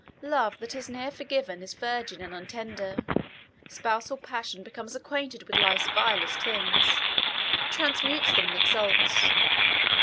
Love that has ne'er forgiven Is virgin and untender; spousal passion Becomes acquainted with life's vilest things, Transmutes them, and exalts.